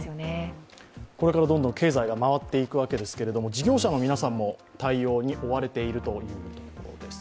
これからどんどん経済が回っていくわけですけど事業者の皆さんも対応に追われているようです。